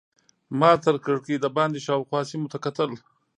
ما تر کړکۍ دباندې شاوخوا سیمو ته کتل.